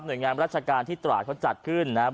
โดยงานราชการที่ตราดเขาจัดขึ้นนะครับ